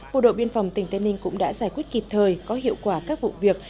bộ đội biên phòng tỉnh tây ninh cũng đã giải quyết kịp thời có hiệu quả các vụ việc